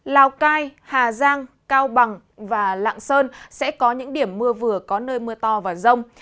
lào cai hà giang cao bằng và lạng sơn sẽ có những điểm mưa vừa có nơi mưa to và rông